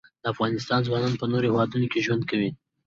د افغانستان ځوانان په نورو هیوادونو کې ژوند کوي.